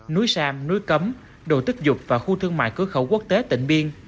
núi sam núi cấm đồ tức dục và khu thương mại cưới khẩu quốc tế tỉnh biên